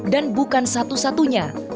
dan bukan satu satunya